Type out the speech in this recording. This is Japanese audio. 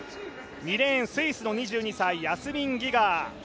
２レーン、スイスの２２歳ヤスミン・ギガー。